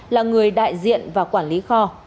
là người đại diện và quản lý kho